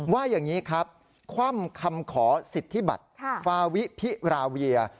ว่าอย่างนี้ครับคว่ำคำขอสิทธิบัติฟาวิพิราเวีย